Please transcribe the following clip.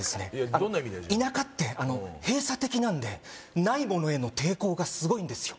どんな意味だよじゃあ田舎って閉鎖的なんでないものへの抵抗がすごいんですよ